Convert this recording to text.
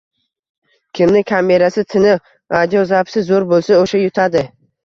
- kimni kamerasi tiniq, audiozapisi zo‘r bo‘lsa o‘sha yutadi.